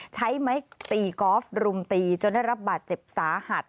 ใช้ไม้ตีกอล์ฟรุมตีจนได้รับบาดเจ็บสาหัส